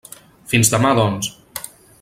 Fins demà, doncs.